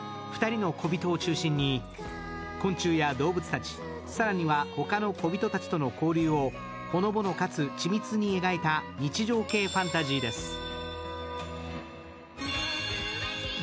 ２人のこびとを中心に昆虫や動物たち、更には他のこびとたちとの交流をほのぼのかつ緻密に描いた日常系ファンタジーです。